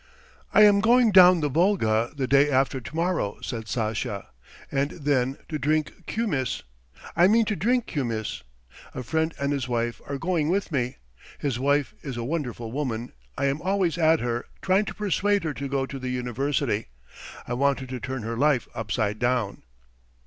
"I am going down the Volga the day after tomorrow," said Sasha, "and then to drink koumiss. I mean to drink koumiss. A friend and his wife are going with me. His wife is a wonderful woman; I am always at her, trying to persuade her to go to the university. I want her to turn her life upside down."